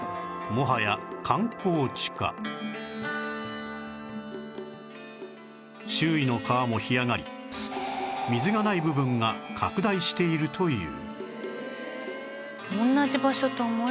もはや観光地化周囲の川も干上がり水がない部分が拡大しているという